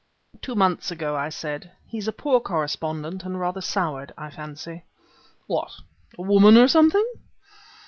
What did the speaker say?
"Two months ago," I said; "he's a poor correspondent and rather soured, I fancy." "What a woman or something?"